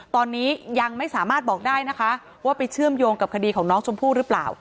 ตอนนี้ยังไม่สามารถบอกได้นะคะว่าไปเชื่อมโยงกับคดีของน้องชมพู่หรือเปล่า